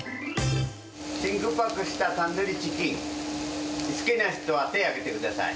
真空パックしたタンドリーチキン好きな人は手を挙げてください。